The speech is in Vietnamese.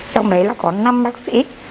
trong đấy là có năm bác sĩ